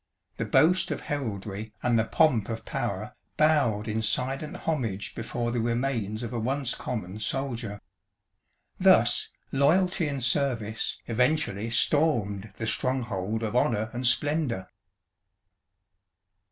'The Boast of Heraldry and the Pomp of Power' bowed in silent homage before the remains of a once common soldier. Thus Loyalty and Service eventually stormed the Stronghold of Honour and Splendour!"